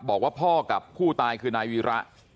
บอกว่าพ่อกับผู้ตายคือนายวีระ